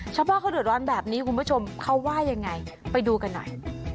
ชาวบ้านเขาเดือดร้อนแบบนี้คุณผู้ชมเขาว่ายังไงไปดูกันหน่อย